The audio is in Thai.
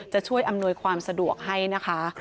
จะช่วยอำนวยความสะดวกให้นะคะ